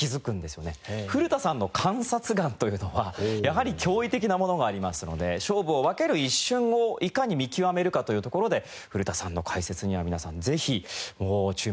古田さんの観察眼というのはやはり驚異的なものがありますので勝負を分ける一瞬をいかに見極めるかというところで古田さんの解説には皆さんぜひ注目して頂きたいと思います。